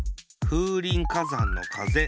風林火山のかぜ。